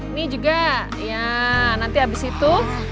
ini juga ya nanti habis itu